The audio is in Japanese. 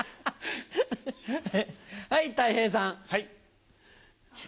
はい、たい平さん。